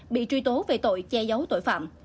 bị truy tố về tội che giấu tội phạm